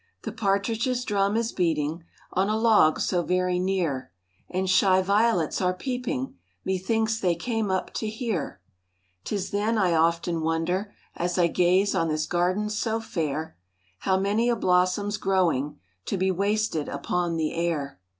The partridges' drum is beating On a log so very near, And shy violets are peeping,— Me thinks they came up to hear. 'Tis then I often wonder As I gaze on this garden so fair, How many a blossom's growing To be wasted upon the air.